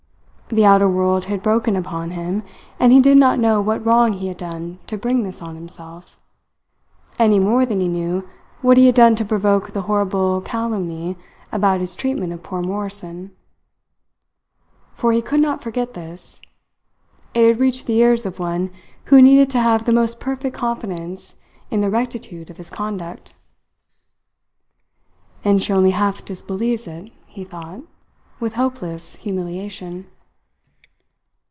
The outer world had broken upon him; and he did not know what wrong he had done to bring this on himself, any more than he knew what he had done to provoke the horrible calumny about his treatment of poor Morrison. For he could not forget this. It had reached the ears of one who needed to have the most perfect confidence in the rectitude of his conduct. "And she only half disbelieves it," he thought, with hopeless humiliation.